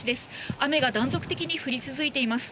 雨が断続的に降り続いています。